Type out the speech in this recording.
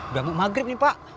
udah mau maghrib nih pak